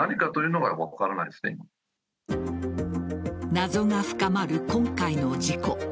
謎が深まる今回の事故。